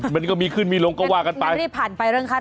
มันก็มีขึ้นมีลงก็ว่ากันไป